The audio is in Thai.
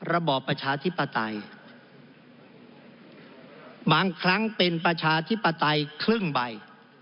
ระบอบประชาธิปไตยบางครั้งเป็นประชาธิปไตยครึ่งใบ